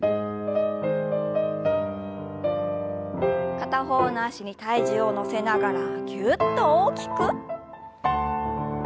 片方の脚に体重を乗せながらぎゅっと大きく。